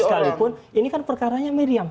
sekalipun ini kan perkaranya miriam